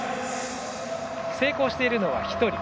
成功しているのは１人。